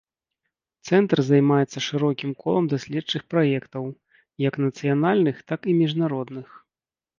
Цэнтр займаецца шырокім колам даследчых праектаў, як нацыянальных, так і міжнародных.